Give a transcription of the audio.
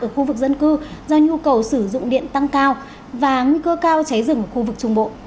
ở khu vực dân cư do nhu cầu sử dụng điện tăng cao và nguy cơ cao cháy rừng ở khu vực trung bộ